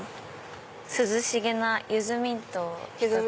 涼しげな柚子ミントを１つ。